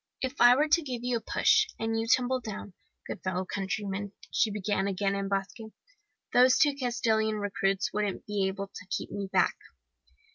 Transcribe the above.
"'If I were to give you a push and you tumbled down, good fellow countryman,' she began again in Basque, 'those two Castilian recruits wouldn't be able to keep me back.